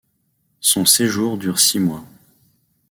Son séjour dure six mois.